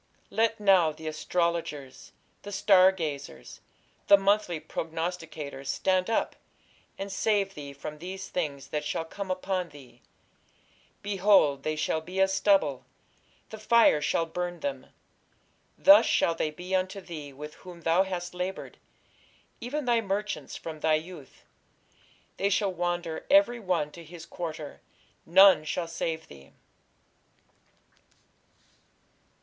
Let now the astrologers, the star gazers, the monthly prognosticators, stand up, and save thee from these things that shall come upon thee. Behold, they shall be as stubble; the fire shall burn them.... Thus shall they be unto thee with whom thou hast laboured, even thy merchants, from thy youth: they shall wander every one to his quarter; none shall save thee.